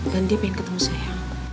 dan dia pengen ketemu saya